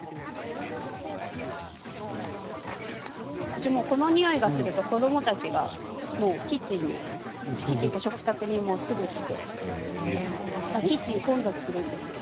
うちはもうこのにおいがすると、子どもたちがキッチンに食卓にすぐ来てキッチンが混雑するんですよ。